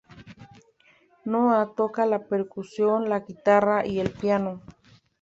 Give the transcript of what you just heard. Noa toca la percusión, la guitarra y el piano.